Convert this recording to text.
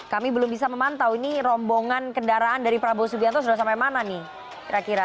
kami belum bisa memantau ini rombongan kendaraan dari prabowo subianto sudah sampai mana nih kira kira